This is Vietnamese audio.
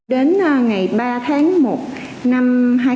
đến ngày ba tháng một năm hai nghìn hai mươi